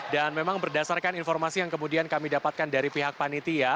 dan memang berdasarkan informasi yang kemudian kami dapatkan dari pihak panitia